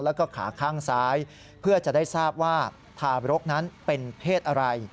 แล้วก็ขาข้างซ้ายเพื่อจะได้ทราบว่าทารกนั้นเป็นเพศอะไร